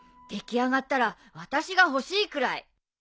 出来上がったら私が欲しいくらい。